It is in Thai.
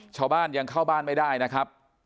ชาวบ้านยังเข้าบ้านไม่ได้นะครับ